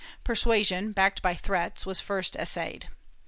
Persuasion, backed by threats, was first essayed.